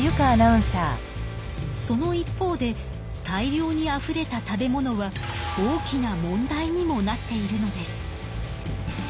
その一方で大量にあふれた食べ物は大きな問題にもなっているのです。